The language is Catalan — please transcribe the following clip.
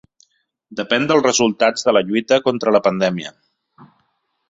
Depèn dels resultats de la lluita contra la pandèmia.